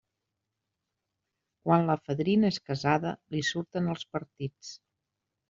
Quan la fadrina és casada, li surten els partits.